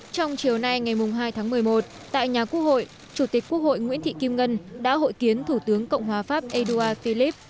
trong chiều nay ngày hai tháng một mươi một tại nhà quốc hội chủ tịch quốc hội nguyễn thị kim ngân đã hội kiến thủ tướng cộng hòa pháp edouard philip